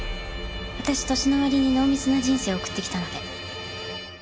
私年の割に濃密な人生を送ってきたので。